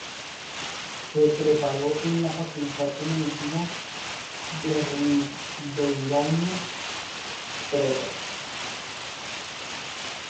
Se preparó en la Facultad de Medicina de Ribeirão Preto.